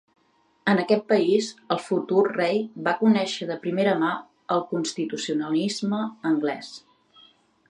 En aquest país el futur rei va conèixer de primera mà el constitucionalisme anglès.